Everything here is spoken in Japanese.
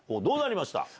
どうなりました？